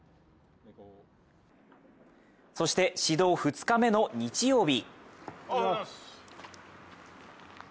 そして指導２日目の日曜日。